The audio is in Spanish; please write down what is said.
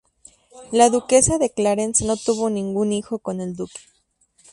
La duquesa de Clarence no tuvo ningún hijo con el duque.